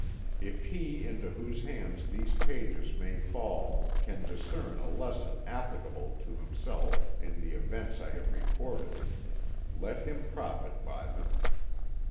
"If he into whose hands these pages may fall can discern a lesson applicable to himself in the events I have recorded, let him profit by them.